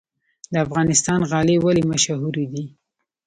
د افغانستان غالۍ ولې مشهورې دي؟